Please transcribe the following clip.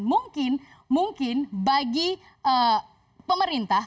mungkin bagi pemerintah